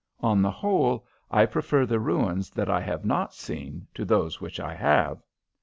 On the whole, I prefer the ruins that I have not seen to those which I have."